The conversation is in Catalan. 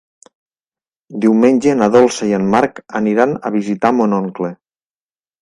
Diumenge na Dolça i en Marc aniran a visitar mon oncle.